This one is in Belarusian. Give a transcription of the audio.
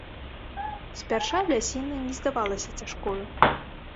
Спярша лясіна не здавалася цяжкою.